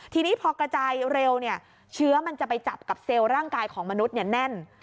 ทีนี้พอกระจายเร็วเชื้อมันจะไปจับกับเซลล์ร่างกายของมนุษย์แน่น